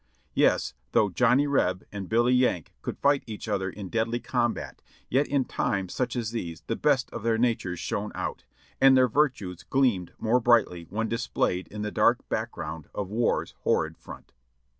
Yes ! though "Johnny Reb" and "Billy Yank" could fight each other in deadly combat, yet in times such as these the best in their natures shone out, and their virtues gleamed more brightly when displayed in the dark background of "war's horrid front."